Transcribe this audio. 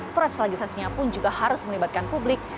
proses legislasinya pun juga harus melibatkan publik